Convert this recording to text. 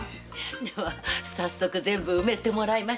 では早速全部埋めてもらいましょう。